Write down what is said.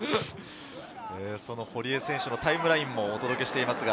堀江選手のタイムラインをお届けしています。